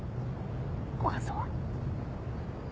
ご感想は。